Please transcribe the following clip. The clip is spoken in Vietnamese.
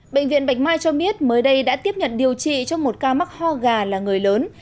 bệnh viện bạch mai cho biết mới đây đã tiếp nhận điều trị cho một ca mắc ho gà là người lớn